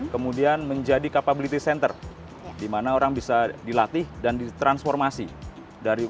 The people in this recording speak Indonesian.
kemudian menjadi capability center di mana orang bisa dilatih dan ditransformasi dari